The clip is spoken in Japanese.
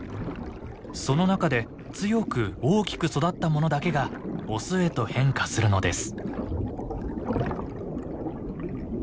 その中で強く大きく育ったものだけがオスへと変化するのです。